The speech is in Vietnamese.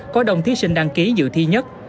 có đồng thí sinh đăng ký dự thi nhất